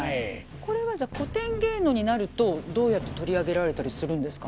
これはじゃあ古典芸能になるとどうやって取り上げられたりするんですかね。